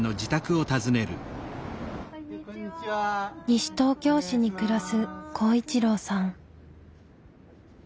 西東京市に暮らす公一郎さん。